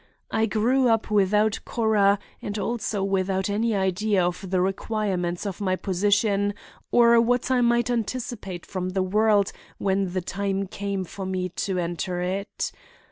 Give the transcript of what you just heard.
I grew up without Cora and also without any idea of the requirements of my position or what I might anticipate from the world when the time came for me to enter it.